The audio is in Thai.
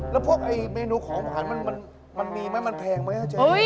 แล้วพวกเมนูของหวานมันมีไหมมันแพงไหม